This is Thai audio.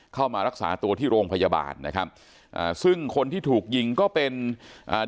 เข้ามารักษาตัวที่โรงพยาบาลนะครับอ่าซึ่งคนที่ถูกยิงก็เป็นอ่า